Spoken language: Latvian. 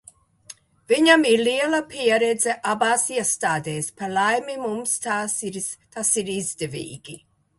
Viņam ir liela pieredze abās iestādēs, par laimi, mums tas ir izdevīgi.